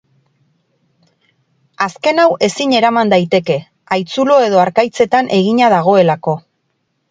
Azken hau ezin eraman daiteke, haitzulo edo harkaitzetan egina dagoelako.